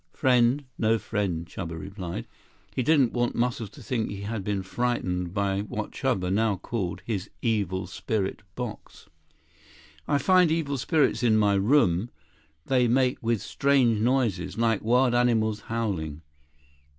"Friend? No friend," Chuba replied. He didn't want Muscles to think he had been frightened by what Chuba now called his Evil Spirit Box. "I find evil spirits in my room. They make with strange noises, like wild animals howling."